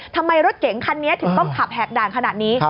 ทำไมรถเก๋งคันนี้ถึงต้องขับแหกด่านขนาดนี้